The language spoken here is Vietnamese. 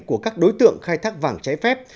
của các đối tượng khai thác vàng trái phép